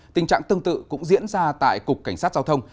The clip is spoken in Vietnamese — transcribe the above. tình trạng tương tự cũng diễn ra tại cục cảnh sát giao thông